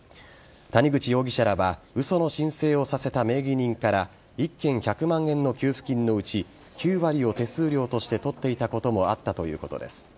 谷口容疑者らは嘘の申請をさせた名義人から１件１００万円の給付金のうち９割を手数料として取っていたこともあったということです。